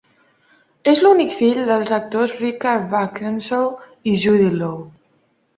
És l'únic fill dels actors Richard Beckinsale i Judy Loe.